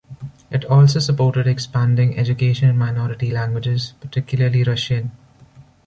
It also supported expanding education in minority languages, particularly Russian.